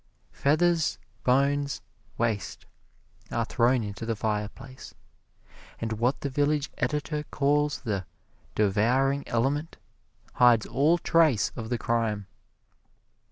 Feathers, bones, waste are thrown into the fireplace, and what the village editor calls the "devouring element" hides all trace of the crime.